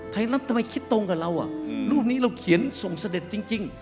ทำไมคิดตรงกับเรารูปนี้เราเขียนส่งเสด็จจริง